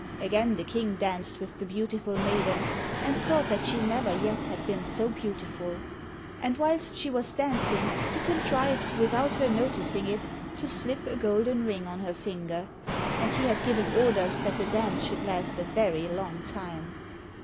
Again the King danced with the beautiful maiden, and thought that she never yet had been so beautiful. And whilst she was dancing, he contrived, without her noticing it, to slip a golden ring on her finger, and he had given orders that the dance should last a very long time.